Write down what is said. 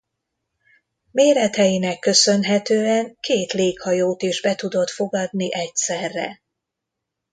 Méreteinek köszönhetően két léghajót is be tudott fogadni egyszerre.